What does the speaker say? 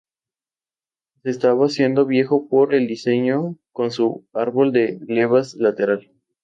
Se estaba haciendo viejo por el diseño con su árbol de levas lateral.